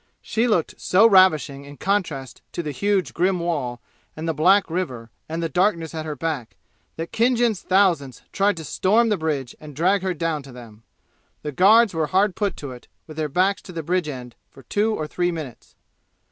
She looked so ravishing in contrast to the huge grim wall, and the black river, and the darkness at her back, that Khinjan's thousands tried to storm the bridge and drag her down to them. The guards were hard put to it, with their backs to the bridge end, for two or three minutes.